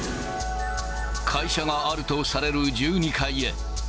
会社があるとされる１２階へ。